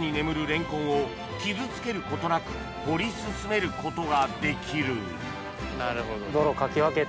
レンコンを傷つけることなく掘り進めることができる泥をかき分けて。